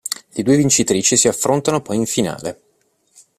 Le due vincitrici si affrontano poi in finale.